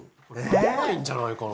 バレないんじゃないかな？